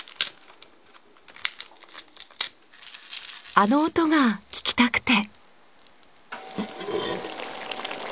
あの音が聞きたくて。